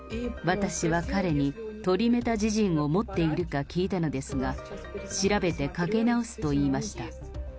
私は彼にトリメタジジンを持っているか聞いたのですが、調べてかけ直すと言いました。